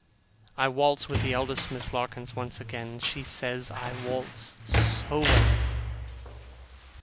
I waltz with the eldest Miss Larkins once again. She says I waltz so well!